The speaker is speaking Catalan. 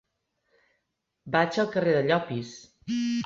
Vaig al carrer de Llopis.